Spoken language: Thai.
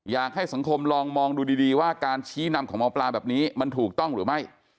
อยากให้สังคมลองมองดูดีว่าการชี้นำของหมอปลาแบบนี้มันถูกต้องหรือไม่